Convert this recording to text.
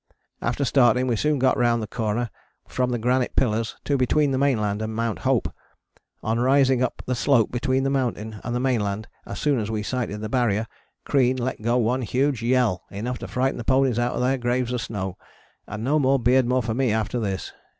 After starting we soon got round the corner from the Granite Pillars to between the mainland and Mt. Hope, on rising up on the slope between the mountain and the mainland, as soon as we sighted the Barrier, Crean let go one huge yell enough to frighten the ponies out of their graves of snow, and no more Beardmore for me after this.